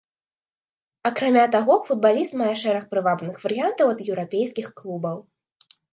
Акрамя таго, футбаліст мае шэраг прывабных варыянтаў ад еўрапейскіх клубаў.